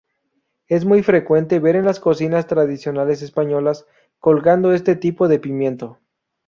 Es muy frecuente ver en las cocinas tradicionales españolas colgado este tipo de pimiento.